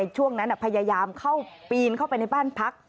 ช่วงนั้นพยายามเข้าปีนเข้าไปในบ้านพัก